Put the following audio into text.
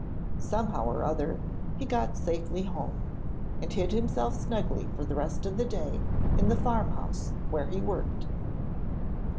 Somehow or other he got safely home, and hid himself snugly for the rest of the day in the farmhouse where he worked.